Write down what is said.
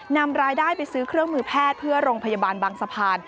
นำรายได้ไปซื้อเครื่องมือแพทย์เพื่อโรงพยาบาลบางสะพาน